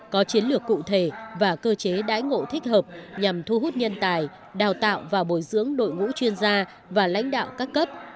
có chiến lược cụ thể và cơ chế đãi ngộ thích hợp nhằm thu hút nhân tài đào tạo và bồi dưỡng đội ngũ chuyên gia và lãnh đạo các cấp